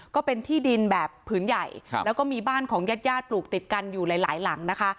ก็เป็นที่ดินแบบผืนใหญ่แล้วก็มีบ้านของญาติญาติปลูกติดกันอยู่หลายหลังนะคะ